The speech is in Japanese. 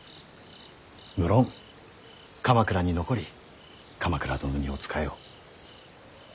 無論鎌倉に残り鎌倉殿にお仕えを。